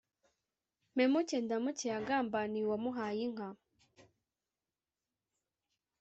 Mpemuke ndamuke yagambaniye uwamuhaye inka.